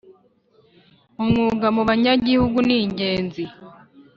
umwuga mu banyagihugu ningenzi